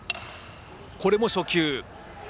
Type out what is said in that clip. これも初球。